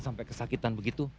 sampai kesakitan begitu